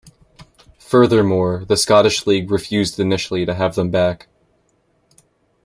Furthermore, the Scottish League refused initially to have them back.